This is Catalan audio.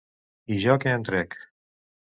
I jo què en trec?